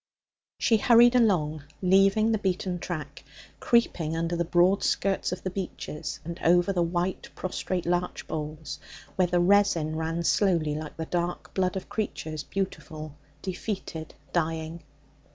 She hurried along, leaving the beaten track, creeping under the broad skirts of the beeches and over the white prostrate larch boles where the resin ran slowly like the dark blood of creatures beautiful, defeated, dying.